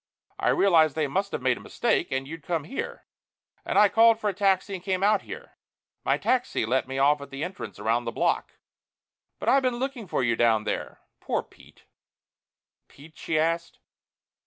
I realized they must have made a mistake, and you'd come here, and I called for a taxi and came out here. My taxi let me off at the entrance around the block, and I've been looking for you down there.... Poor Pete!" "Pete?" she asked.